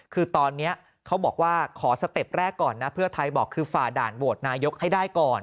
คือตอนนี้เขาบอกว่าขอสเต็ปแรกก่อนนะเพื่อไทยบอกคือฝ่าด่านโหวตนายกให้ได้ก่อน